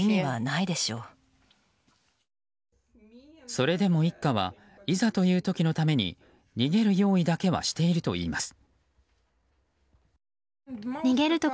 それでも一家はいざという時のために逃げる用意だけはしているといいます。